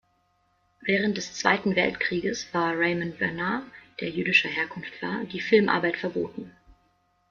Während des Zweiten Weltkrieges war Raymond Bernard, der jüdischer Herkunft war, die Filmarbeit verboten.